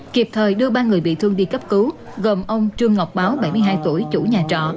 kịp thời đưa ba người bị thương đi cấp cứu gồm ông trương ngọc báo bảy mươi hai tuổi chủ nhà trọ